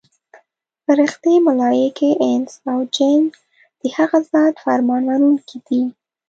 فرښتې، ملایکې، انس او جن د هغه ذات فرمان منونکي دي.